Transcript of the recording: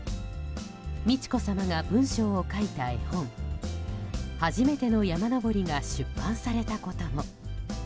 美智子さまが文章を書いた絵本「はじめてのやまのぼり」が出版されたことも。